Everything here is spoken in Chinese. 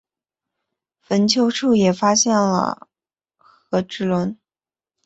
坟丘处也发现了和埴轮。